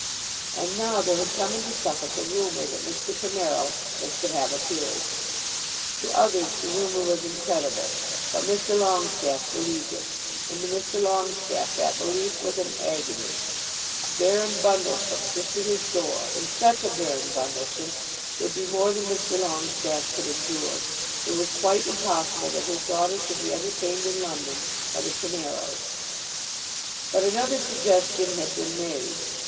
And now there had come into Suffolk a rumour that Mr. Primero was to have a peerage. To others the rumour was incredible, but Mr. Longestaffe believed it, and to Mr. Longestaffe that belief was an agony. A Baron Bundlesham just at his door, and such a Baron Bundlesham, would be more than Mr. Longestaffe could endure. It was quite impossible that his daughter should be entertained in London by the Primeros. But another suggestion had been made.